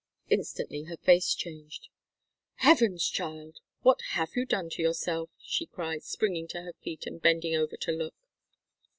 Instantly her face changed. "Heavens, child! What have you done to yourself?" she cried, springing to her feet and bending over to look.